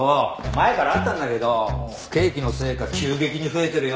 前からあったんだけど不景気のせいか急激に増えてるよ。